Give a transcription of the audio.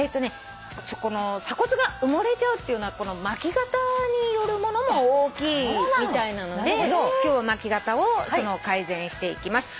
鎖骨が埋もれちゃうっていうのは巻き肩によるものも大きいみたいなので今日は巻き肩を改善していきます。